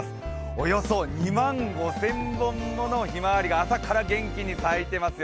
およそ２万５０００本ものひまわりが朝から元気に咲いてますよ。